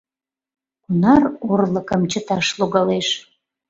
Кунар орлыкым чыташ логалеш.